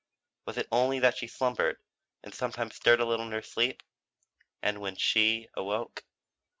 Was it only that she slumbered and sometimes stirred a little in her sleep? And when she awoke?